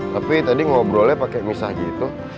tapi tadi ngobrolnya pakai misah gitu